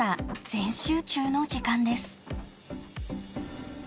全集中の時間です。